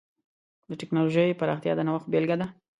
د ټکنالوجۍ پراختیا د نوښت بېلګه ده.